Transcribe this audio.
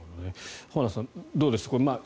浜田さん、どうです？